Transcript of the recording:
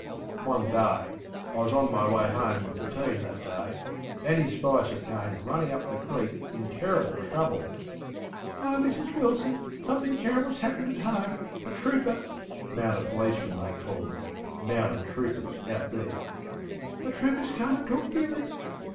ŌĆÖ One dayŌĆöI was on my way home with the team that dayŌĆö Annie Spicer came running up the creek in terrible trouble. ŌĆśOh, Mrs Wilson! something terriblŌĆÖs happened at home! A trooperŌĆÖ (mounted policemanŌĆöthey called them ŌĆśmounted troopersŌĆÖ out there), ŌĆśa trooperŌĆÖs come and took Billy!